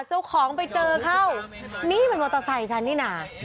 เจ้าของไปเจอเข้านี่มันมอเตอร์ไซค์ฉันนี่น่ะ